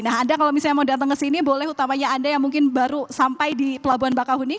nah anda kalau misalnya mau datang ke sini boleh utamanya anda yang mungkin baru sampai di pelabuhan bakahuni